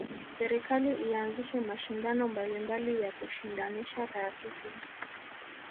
Serekali ianzishe mashindano mbalimbali ya kushindanisha taasisi